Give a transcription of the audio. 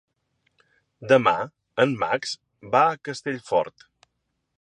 Demà en Max va a Castellfort.